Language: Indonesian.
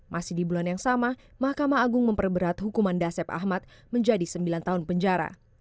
masih di bulan yang sama mahkamah agung memperberat hukuman dasep ahmad menjadi sembilan tahun penjara